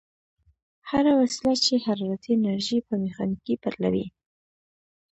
هره وسیله چې حرارتي انرژي په میخانیکي بدلوي.